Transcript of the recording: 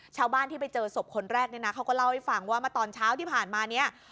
ชาวบ้านที่ไปเจอศพคนแรกเนี่ยนะเขาก็เล่าให้ฟังว่าเมื่อตอนเช้าที่ผ่านมาเนี่ย